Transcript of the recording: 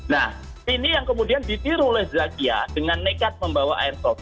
nah ini yang kemudian ditiru oleh zakia dengan nekat membawa airsoft